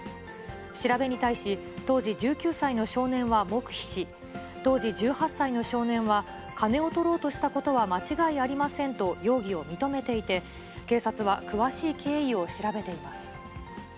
調べに対し、当時、１９歳の少年は黙秘し、当時１８歳の少年は金をとろうとしたことは間違いありませんと、容疑を認めていて、警察は、詳しい経緯を調べています。